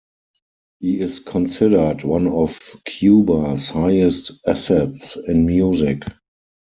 He is considered one of Cuba's highest assets in music.